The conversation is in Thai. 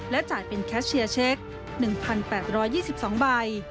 จ่ายเป็นแคชเชียร์เช็ค๑๘๒๒ใบ